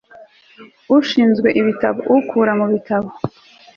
ushinzwe ibitabo ukura mubitabo